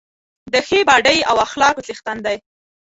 د ښې باډۍ او اخلاقو څښتن دی.